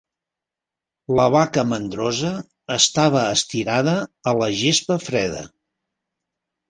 La vaca mandrosa estava estirada a la gespa freda.